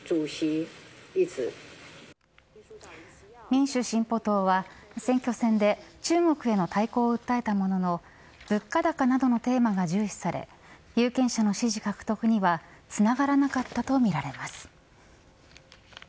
民主進歩党は選挙戦で中国への対抗を訴えたものの物価高などのテーマが重視され有権者の支持獲得にはつながらなかったとみられます。